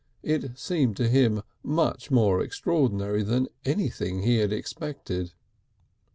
It seemed to him much more extraordinary than anything he had expected.